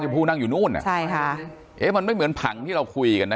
ผู้นั่งอยู่นู่นอ่ะใช่ค่ะเอ๊ะมันไม่เหมือนผังที่เราคุยกันนะ